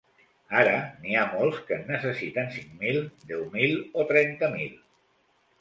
Ara, n’hi ha molts que en necessiten cinc mil, deu mil o trenta mil.